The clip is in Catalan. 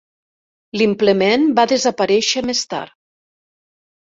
L"implement va desaparèixer més tard.